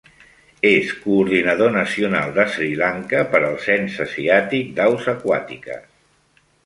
És coordinador nacional de Sri Lanka per al cens asiàtic d'aus aquàtiques.